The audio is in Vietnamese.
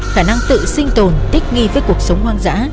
khả năng tự sinh tồn thích nghi với cuộc sống hoang dã